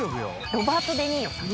ロバート・デ・ニーロさん。